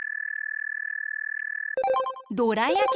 どらやき！